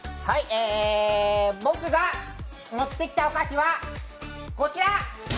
僕が持ってきたお菓子はこちら！